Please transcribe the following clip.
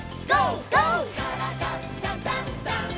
「からだダンダンダン」